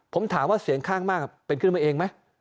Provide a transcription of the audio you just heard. ผมถามว่าเสียงข้างมากเป็นขึ้นมาเองไหม